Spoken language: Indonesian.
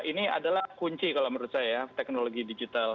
ini adalah kunci kalau menurut saya teknologi digital